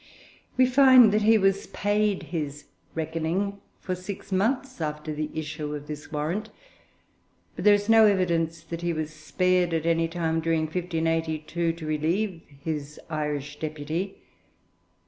We find that he was paid his 'reckoning' for six months after the issue of this warrant, but there is no evidence that he was spared at any time during 1582 to relieve his Irish deputy.